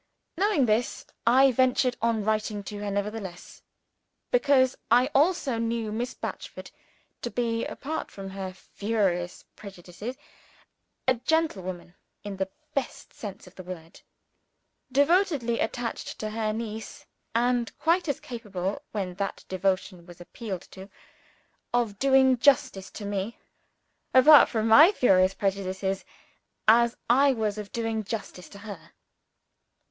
Knowing this, I ventured on writing to her nevertheless, because I also knew Miss Batchford to be (apart from her furious prejudices) a gentlewoman in the best sense of the word; devotedly attached to her niece, and quite as capable, when that devotion was appealed to, of doing justice to me (apart from my furious prejudices) as I was of doing justice to her.